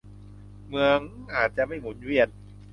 เหมืองอาจจะไม่หมุนเวียน